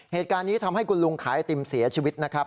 เหตุการณ์นี้ทำให้คุณลุงขายไอติมเสียชีวิตนะครับ